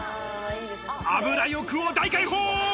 油欲を大開放。